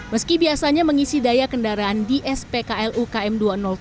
meski biasanya mengisi daya kendaraan di spklu km dua ratus tujuh